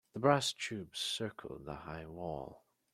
The brass tube circled the high wall.